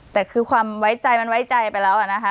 แต่คือความไว้ใจมันไว้ใจไปแล้วนะคะ